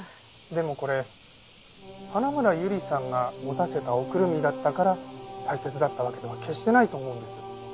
でもこれ花村友梨さんが持たせたおくるみだったから大切だったわけでは決してないと思うんです。